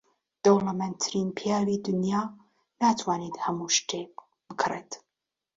دەوڵەمەندترین پیاوی دنیا ناتوانێت هەموو شتێک بکڕێت.